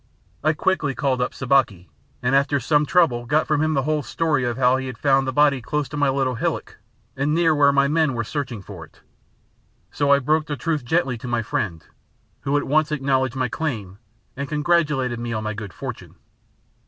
I quickly called up Sabaki and after some trouble got from him the whole story of how he had found the body close to my little hillock and near where my men were searching for it. So I broke the truth gently to my friend, who at once acknowledged my claim and congratulated me on my good fortune.